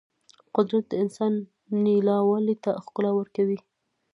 قدرت د اسمان نیلاوالي ته ښکلا ورکوي.